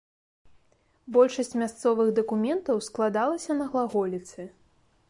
Большасць мясцовых дакументаў складалася на глаголіцы.